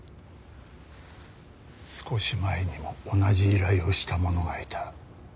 少し前にも同じ依頼をした者がいた。